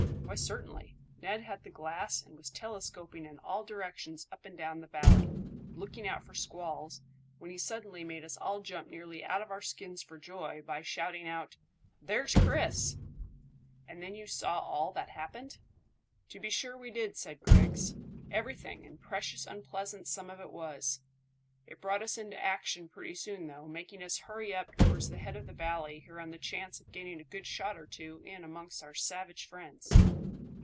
"Why, certainly. Ned had the glass and was telescoping in all directions up and down the valley, looking out for squalls, when he suddenly made us all jump nearly out of our skins for joy by shouting out, `There's Chris!'" "And then you saw all that happened?" "To be sure we did," said Griggs; "everything, and precious unpleasant some of it was. It brought us into action pretty soon though, making us hurry up towards the head of the valley here on the chance of getting a good shot or two in amongst our savage friends."